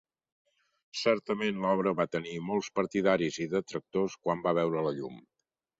Certament l'obra va tenir molts partidaris i detractors quan va veure la llum.